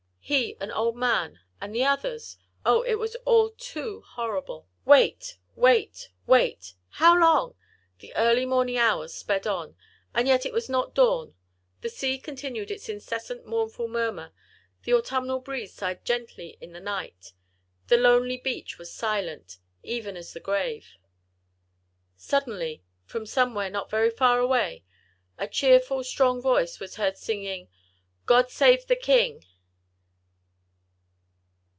he, an old man; and the others!—oh! it was all too, too horrible. Wait! wait! wait! how long? The early morning hours sped on, and yet it was not dawn: the sea continued its incessant mournful murmur, the autumnal breeze sighed gently in the night: the lonely beach was silent, even as the grave. Suddenly from somewhere, not very far away, a cheerful, strong voice was heard singing "God save the King!"